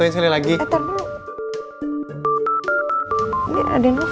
kok bakal lanjut ya ah